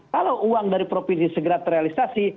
kalau uang dari provinsi segera terrealisasi